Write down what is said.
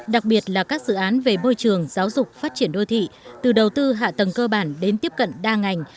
đặc biệt là các dự án về môi trường giáo dục phát triển đô thị từ đầu tư hạ tầng cơ bản đến tiếp cận đa ngành